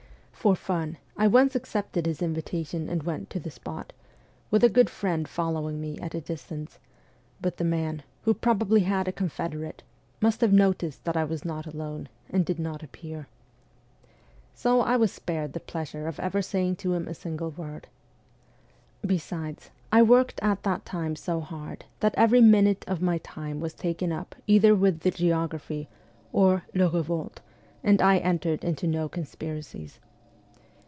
For fun, I once accepted his invitation and went to the spot, with a good friend following me at a distance ; but the man, who probably had a confederate, must have noticed that I was not alone, and did not appear. So I was spared the pleasure of ever saying to him a single word. Besides, I worked at that time so hard that every minute of my time was taken up either with the Geography or ' Le Revolte,' and I entered into no conspiracies.